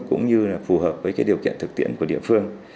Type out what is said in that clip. cũng như là phù hợp với điều kiện thực tiễn của địa phương